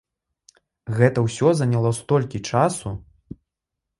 Гэта ўсё заняло столькі часу!